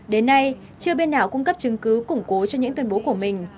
đến nay chưa bên nào cung cấp chứng cứ củng cố cho những tuyên bố của mình